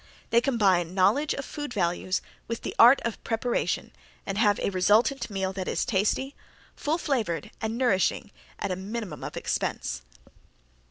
They combine knowledge of food values with the art of preparation and have a resultant meal that is tasty, full flavored, and nourishing at a minimum of expense.